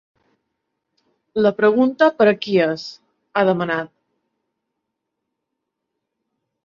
“La pregunta per a qui és?”, ha demanat.